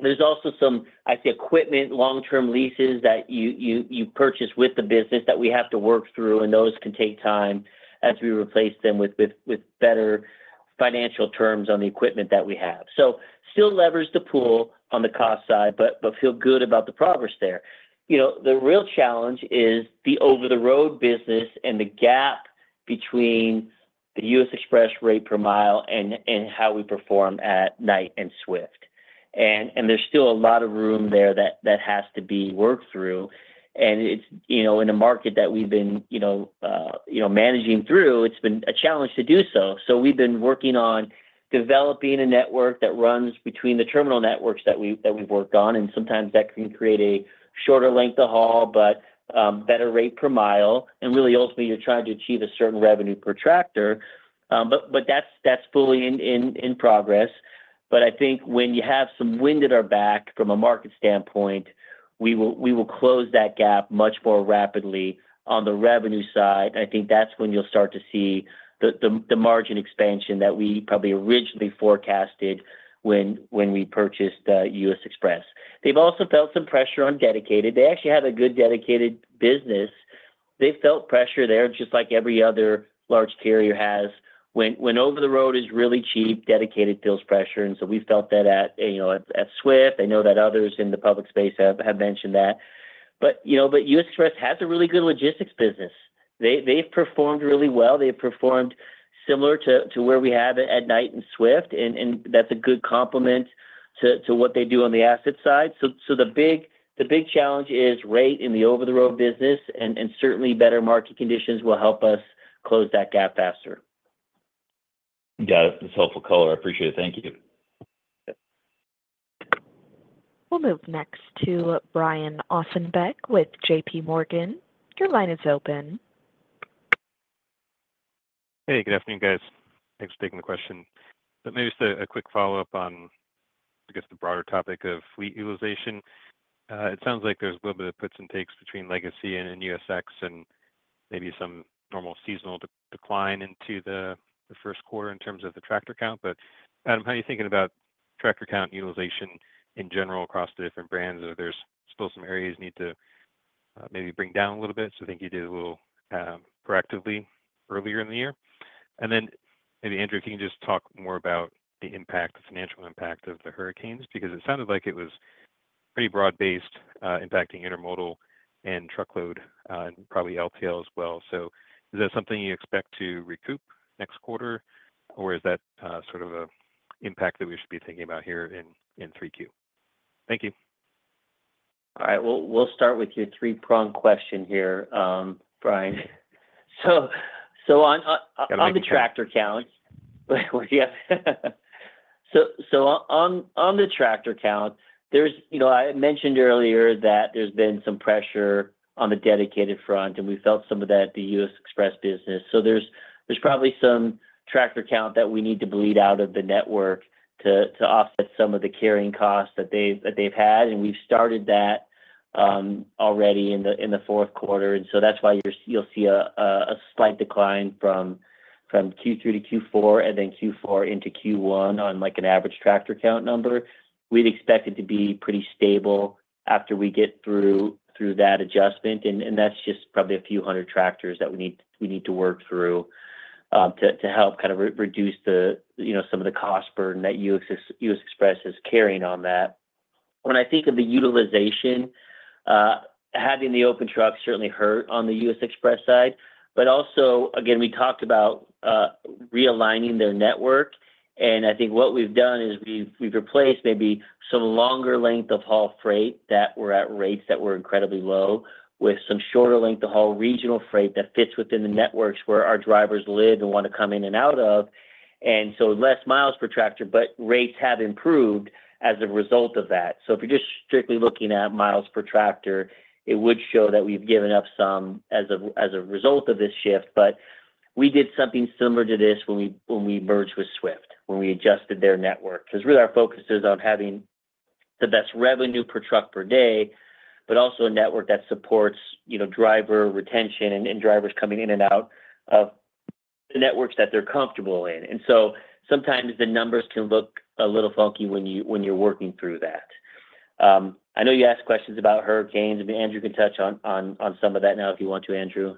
there's also some, I'd say, equipment, long-term leases that you purchase with the business that we have to work through, and those can take time as we replace them with better financial terms on the equipment that we have, so still leverage the pool on the cost side, but feel good about the progress there. You know, the real challenge is the over-the-road business and the gap between the U.S. Xpress rate per mile and how we perform at Knight and Swift, and there's still a lot of room there that has to be worked through, and it's you know in a market that we've been you know managing through. It's been a challenge to do so. So we've been working on developing a network that runs between the terminal networks that we've worked on, and sometimes that can create a shorter length of haul, but better rate per mile. And really, ultimately, you're trying to achieve a certain revenue per tractor, but that's fully in progress. But I think when you have some wind at our back from a market standpoint, we will close that gap much more rapidly on the revenue side. I think that's when you'll start to see the margin expansion that we probably originally forecasted when we purchased U.S. Xpress. They've also felt some pressure on dedicated. They actually have a good dedicated business. They felt pressure there, just like every other large carrier has. When over-the-road is really cheap, dedicated feels pressure, and so we felt that at, you know, at Swift. I know that others in the public space have mentioned that. But, you know, U.S. Xpress has a really good logistics business. They've performed really well. They've performed similar to where we have it at Knight and Swift, and that's a good complement to what they do on the asset side. So the big challenge is rate in the over-the-road business, and certainly better market conditions will help us close that gap faster. Got it. That's helpful color. I appreciate it. Thank you. We'll move next to Brian Ossenbeck with JPMorgan. Your line is open. Hey, good afternoon, guys. Thanks for taking the question. But maybe just a quick follow-up on, I guess, the broader topic of fleet utilization. It sounds like there's a little bit of puts and takes between legacy and USX and maybe some normal seasonal decline into the Q1 in terms of the tractor count. But, Adam, how are you thinking about tractor count utilization in general across the different brands? There's still some areas you need to maybe bring down a little bit. So I think you did a little proactively earlier in the year. And then maybe, Andrew, can you just talk more about the impact, the financial impact of the hurricanes? Because it sounded like it was pretty broad-based, impacting intermodal and truckload and probably LTL as well. So is that something you expect to recoup next quarter, or is that sort of an impact that we should be thinking about here in 3Q? Thank you. All right. We'll start with your three-pronged question here, Brian. So on the tractor count- Yeah. On the tractor count, there's. You know, I mentioned earlier that there's been some pressure on the dedicated front, and we felt some of that, the U.S. Xpress business. So there's probably some tractor count that we need to bleed out of the network to offset some of the carrying costs that they've had, and we've started that already in the Q4. And so that's why you'll see a slight decline from Q3 to Q4, and then Q4 into Q1 on, like, an average tractor count number. We'd expect it to be pretty stable after we get through that adjustment, and that's just probably a few hundred tractors that we need to work through to help kind of reduce the, you know, some of the cost burden that U.S. Xpress is carrying on that. When I think of the utilization, having the open truck certainly hurt on the U.S. Xpress side, but also, again, we talked about realigning their network, and I think what we've done is we've replaced maybe some longer length of haul freight that were at rates that were incredibly low with some shorter length of haul regional freight that fits within the networks where our drivers live and want to come in and out of, and so less miles per tractor, but rates have improved as a result of that. So if you're just strictly looking at miles per tractor, it would show that we've given up some as a result of this shift. But we did something similar to this when we merged with Swift, when we adjusted their network. Because really our focus is on having the best revenue per truck per day, but also a network that supports, you know, driver retention and drivers coming in and out of the networks that they're comfortable in. And so sometimes the numbers can look a little funky when you're working through that. I know you asked questions about hurricanes, and Andrew can touch on some of that now, if you want to, Andrew.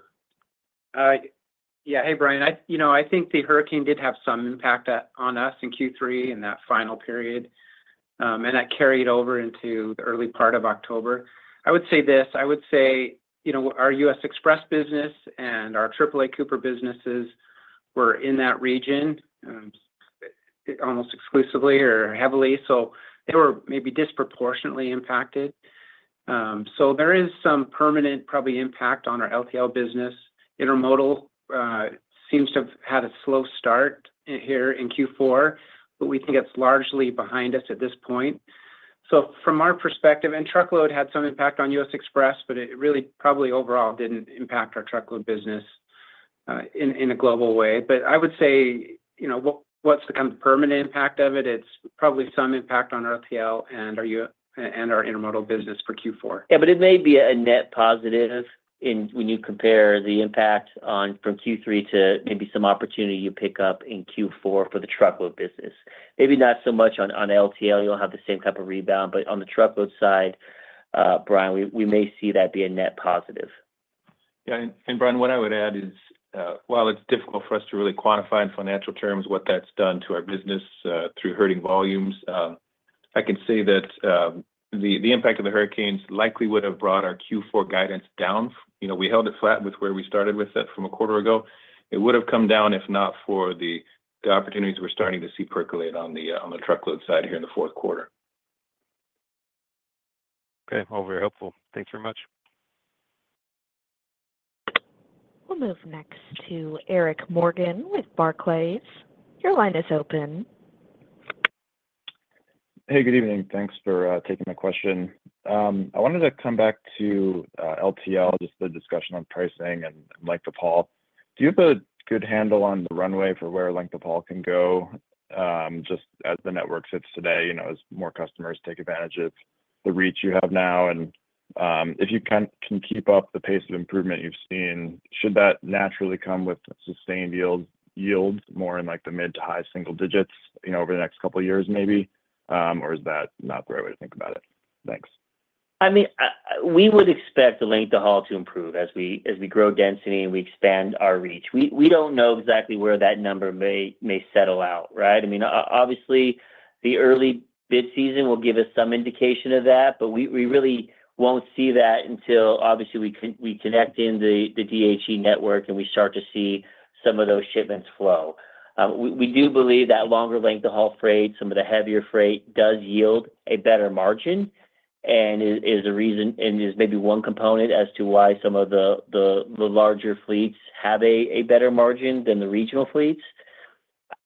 Yeah. Hey, Brian. You know, I think the hurricane did have some impact on us in Q3, in that final period, and that carried over into the early part of October. I would say this. I would say, you know, our U.S. Xpress business and our AAA Cooper businesses were in that region almost exclusively or heavily, so they were maybe disproportionately impacted, so there is some permanent probably impact on our LTL business. Intermodal seems to have had a slow start here in Q4, but we think it's largely behind us at this point. From our perspective, truckload had some impact on U.S. Xpress, but it really probably overall didn't impact our truckload business in a global way. But I would say, you know, what, what's the kind of permanent impact of it? It's probably some impact on our LTL and our TL and our intermodal business for Q4. Yeah, but it may be a net positive in when you compare the impact on from Q3 to maybe some opportunity you pick up in Q4 for the truckload business. Maybe not so much on LTL, you'll have the same type of rebound, but on the truckload side, Brian, we may see that be a net positive. Yeah. And Brian, what I would add is, while it's difficult for us to really quantify in financial terms what that's done to our business, through hurting volumes, I can say that, the impact of the hurricanes likely would have brought our Q4 guidance down. You know, we held it flat with where we started with that from a quarter ago. It would have come down, if not for the opportunities we're starting to see percolate on the truckload side here in the Q4. Okay. Well, very helpful. Thanks very much. We'll move next to Eric Morgan with Barclays. Your line is open. Hey, good evening. Thanks for taking my question. I wanted to come back to LTL, just the discussion on pricing and length of haul. Do you have a good handle on the runway for where length of haul can go, just as the network sits today, you know, as more customers take advantage of the reach you have now? And, if you can keep up the pace of improvement you've seen, should that naturally come with sustained yield, yields more in, like, the mid to high single digits, you know, over the next couple of years maybe? Or is that not the right way to think about it? Thanks. I mean, we would expect the length of haul to improve as we grow density and we expand our reach. We don't know exactly where that number may settle out, right? I mean, obviously, the early bid season will give us some indication of that, but we really won't see that until obviously we connect in the DHE network, and we start to see some of those shipments flow. We do believe that longer length of haul freight, some of the heavier freight, does yield a better margin, and is a reason, and is maybe one component as to why some of the larger fleets have a better margin than the regional fleets.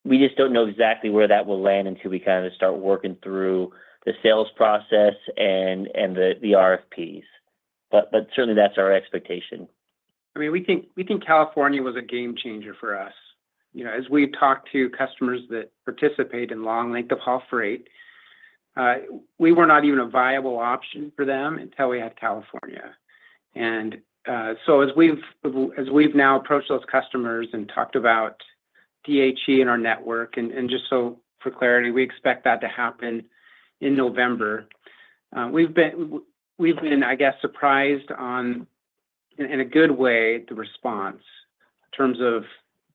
We just don't know exactly where that will land until we kind of start working through the sales process and the RFPs. But certainly that's our expectation. I mean, we think California was a game changer for us. You know, as we talked to customers that participate in long length of haul freight, we were not even a viable option for them until we had California. And, so as we've now approached those customers and talked about DHE and our network, and just so for clarity, we expect that to happen in November. We've been, I guess, surprised on, in a good way, the response in terms of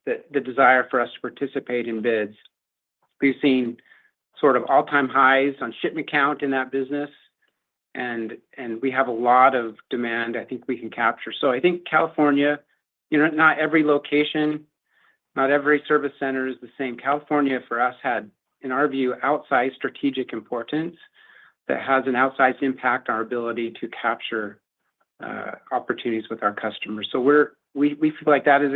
the desire for us to participate in bids. We've seen sort of all-time highs on shipment count in that business, and we have a lot of demand I think we can capture. So I think California, you know, not every location, not every service center is the same. California, for us, had, in our view, outsized strategic importance that has an outsized impact on our ability to capture opportunities with our customers. So we feel like that is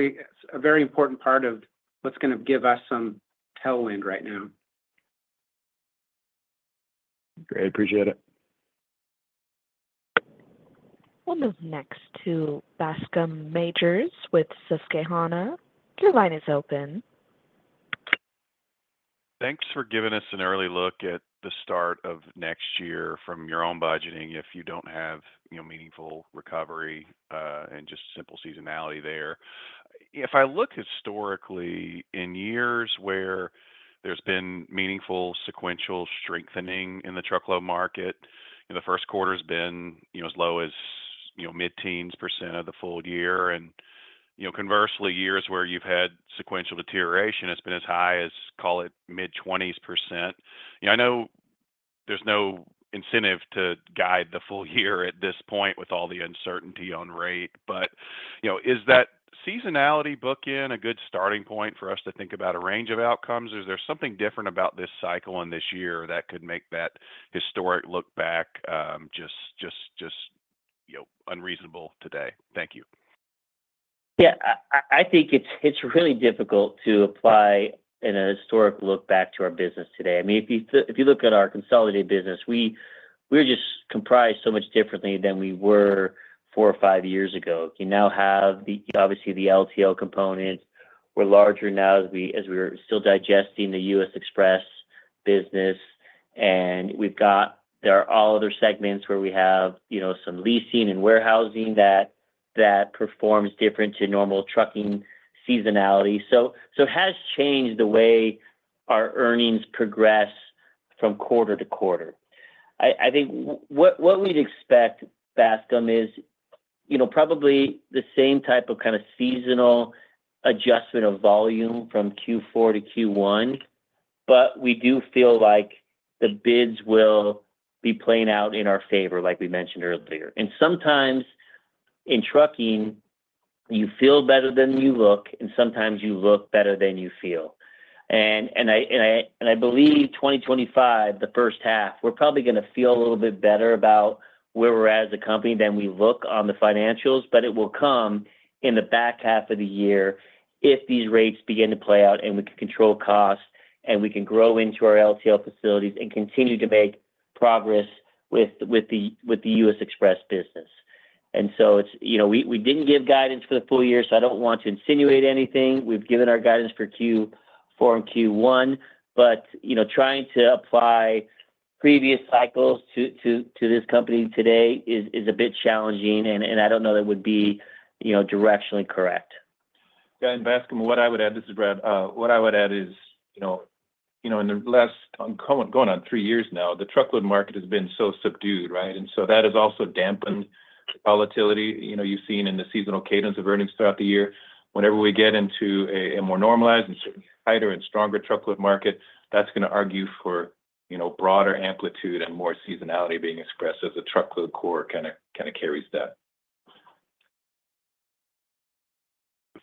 a very important part of what's going to give us some tailwind right now. Great. Appreciate it. We'll move next to Bascom Majors with Susquehanna. Your line is open. Thanks for giving us an early look at the start of next year from your own budgeting, if you don't have, you know, meaningful recovery, and just simple seasonality there. If I look historically, in years where there's been meaningful sequential strengthening in the truckload market, and the Q1's been, you know, as low as, you know, mid-teens % of the full year. And, you know, conversely, years where you've had sequential deterioration, it's been as high as, call it, mid-twenties %. Yeah, I know there's no incentive to guide the full year at this point with all the uncertainty on rate, but, you know, is that seasonality bookend a good starting point for us to think about a range of outcomes? Or is there something different about this cycle and this year that could make that historic look back, just, you know, unreasonable today? Thank you. Yeah. I think it's really difficult to apply in a historic look back to our business today. I mean, if you look at our consolidated business, we're just comprised so much differently than we were four or five years ago. You now have the, obviously, the LTL component. We're larger now as we're still digesting the U.S. Xpress business, and we've got there are all other segments where we have, you know, some leasing and warehousing that performs different to normal trucking seasonality. So it has changed the way our earnings progress from quarter-to-quarter. I think what we'd expect, Bascom, is, you know, probably the same type of kind of seasonal adjustment of volume from Q4 to Q1, but we do feel like the bids will be playing out in our favor, like we mentioned earlier. And sometimes in trucking, you feel better than you look, and sometimes you look better than you feel. And I believe 2025, the first half, we're probably going to feel a little bit better about where we're at as a company than we look on the financials, but it will come in the back half of the year if these rates begin to play out, and we can control costs, and we can grow into our LTL facilities and continue to make progress with the U.S. Xpress business. And so it's, you know, we didn't give guidance for the full year, so I don't want to insinuate anything. We've given our guidance for Q4 and Q1, but, you know, trying to apply previous cycles to this company today is a bit challenging, and I don't know that would be, you know, directionally correct. Yeah, and Bascom, what I would add, this is Brad. What I would add is, you know, in the last going on three years now, the truckload market has been so subdued, right? And so that has also dampened the volatility, you know, you've seen in the seasonal cadence of earnings throughout the year. Whenever we get into a more normalized and certain tighter and stronger truckload market, that's going to argue for, you know, broader amplitude and more seasonality being expressed as the truckload core kind of carries that.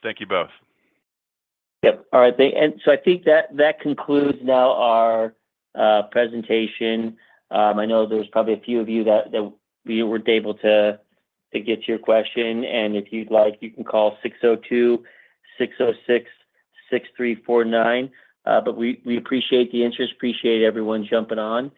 Thank you both. Yep. All right, and so I think that concludes now our presentation. I know there was probably a few of you that we weren't able to get to your question, and if you'd like, you can call 602-606-6349. But we appreciate the interest, appreciate everyone jumping on.